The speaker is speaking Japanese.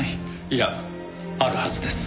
いやあるはずです。